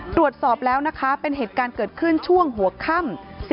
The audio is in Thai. ตรวจสอบแล้วนะคะเป็นเหตุการณ์เกิดขึ้นช่วงหัวค่ำ